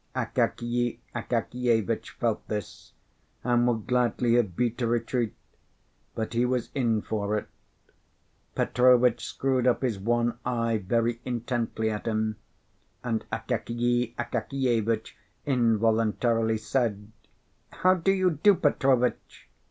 Akakiy Akakievitch felt this, and would gladly have beat a retreat; but he was in for it. Petrovitch screwed up his one eye very intently at him, and Akakiy Akakievitch involuntarily said: "How do you do, Petrovitch?"